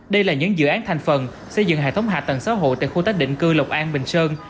đây là những dự án thành phần xây dựng hệ thống hạ tầng xã hội tại khu tác định cư lộc an bình sơn